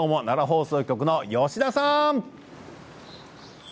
奈良放送局の吉田さん。